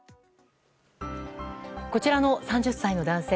こちらの３０歳の男性。